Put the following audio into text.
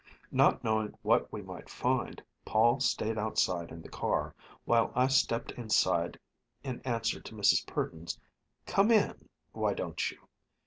Not knowing what we might find, Paul stayed outside in the car, while I stepped inside in answer to Mrs. Purdon's "Come in, why don't you!"